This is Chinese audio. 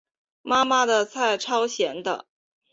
妈妈的菜超咸的